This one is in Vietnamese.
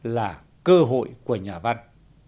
là cơ hội của nhà văn